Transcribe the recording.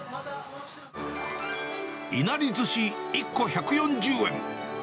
いなり寿司１個１４０円。